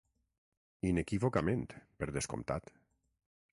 Inequívocament, per descomptat.